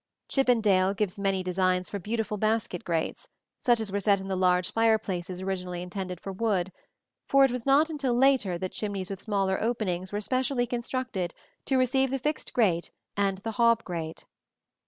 Chippendale gives many designs for beautiful basket grates, such as were set in the large fireplaces originally intended for wood; for it was not until later that chimneys with smaller openings were specially constructed to receive the fixed grate and the hob grate.